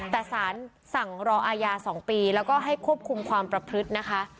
แต่สารสั่งรออาญา๒ปีแล้วก็ให้ควบคุมความประพฤตินะคะ